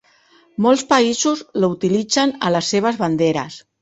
Molts països l'utilitzen a les seves banderes.